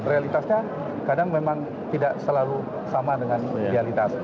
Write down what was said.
realitasnya kadang memang tidak selalu sama dengan realitas